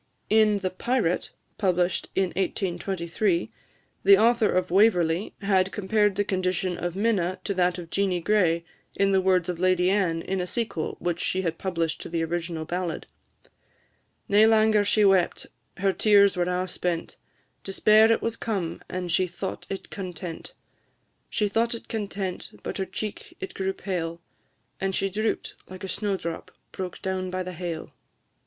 In the "Pirate," published in 1823, the author of "Waverley" had compared the condition of Minna to that of Jeanie Gray, in the words of Lady Anne, in a sequel which she had published to the original ballad: "Nae langer she wept, her tears were a' spent; Despair it was come, and she thought it content; She thought it content, but her cheek it grew pale, And she droop'd like a snowdrop broke down by the hail!"